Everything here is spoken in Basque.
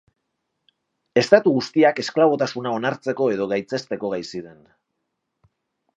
Estatu guztiak esklabotasuna onartzeko edo gaitzesteko gai ziren.